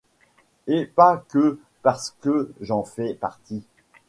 Et pas que parce que j’en fais partie.